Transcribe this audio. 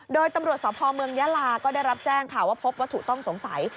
โดยตำรวจสพเมืองยาลาก็ได้รับแจ้งค่ะว่าพบวัตถุต้องสงสัย